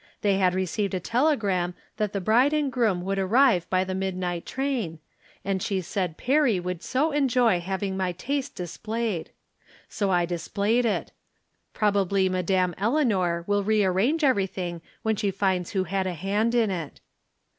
They had received a telegram that the bride and groom would arrive by the midnight train, and she said Perry would so enjoy having my taste displayed. So I dis played it. Probably Madame Eleanor wUl re arrange everything when she finds who had a hand in it.